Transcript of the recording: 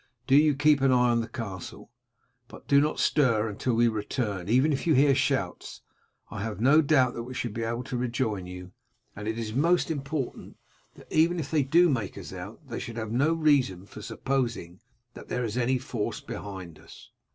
Do you keep an eye on the castle, but do not stir until we return even if you hear shouts. I have no doubt that we shall be able to rejoin you, and it is most important that even if they do make us out they should have no reason for supposing that there is any force behind us."